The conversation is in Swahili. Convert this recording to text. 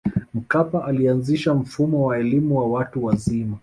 mkapa alianzisha mfumo wa elimu ya watu wazima